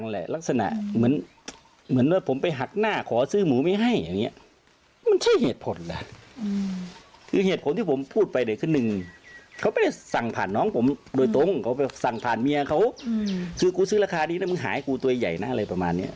ลูกน้องเรียกมาไกล่เกลี่ยหนึ่งรอบเป็นลูกน้องฟาหมู๔คนกับใกล้ใจได้ทั่วที่